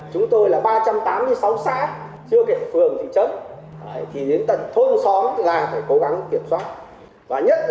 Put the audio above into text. chúng tôi là ba trăm tám mươi sáu xã chưa kể phường thị trấn thì đến tầng thôn xóm là phải cố gắng kiểm soát